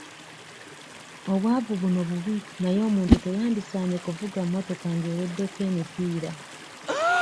Obwavu buno bubi naye omuntu teyandisaanye kuvuga mmotoka ng'eweddeko emipiira.